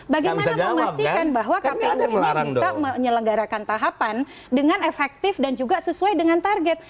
bagaimana memastikan bahwa kpu ini bisa menyelenggarakan tahapan dengan efektif dan juga sesuai dengan target